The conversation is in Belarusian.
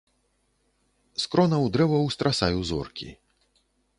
З кронаў дрэваў страсаю зоркі.